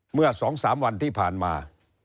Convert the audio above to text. เมื่อสองสามวันที่ผ่านมา